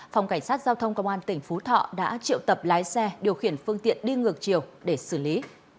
phòng cảnh sát giao thông công an tỉnh phú thọ đã triệu tập lái xe điều khiển phương tiện đi ngược chiều để xử lý